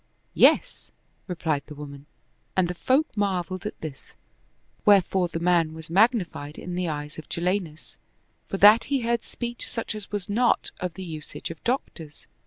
"Yes," replied the woman, and the folk marveled at this ; wherefore the man was magnified in the eyes of Jalinus, for that he heard speech such as was not of the usage of doctors.